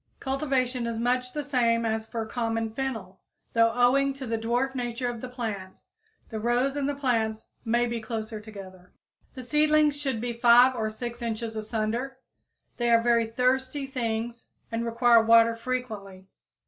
Cultivation is much the same as for common fennel, though owing to the dwarf nature of the plant the rows and the plants may be closer together. The seedlings should be 5 or 6 inches asunder. They are very thirsty things and require water frequently.